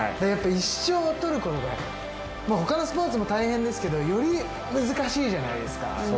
やっぱ１勝とることが他のスポーツも大変ですけどより難しいじゃないですか。